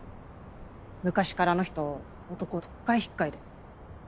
昔からあの人男とっかえひっかえで。